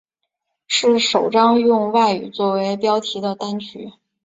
是首张用外语作为标题的单曲。